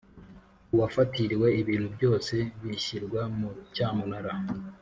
uwafatiriwe ibintu byose bishyirwa mu cyamunara